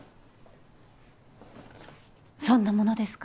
そんなものですか。